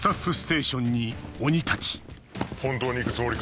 本当に行くつもりか？